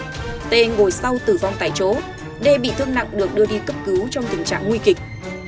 tên ngồi sau tử vong tại chỗ đê bị thương nặng được đưa đi cấp cứu trong tình trạng nguy kịch